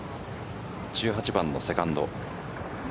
１８番のセカンド。